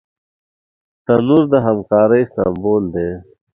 تنور د همکارۍ سمبول دی